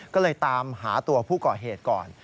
ก็เลยตามหาตัวผู้ก่อเหตุก่อน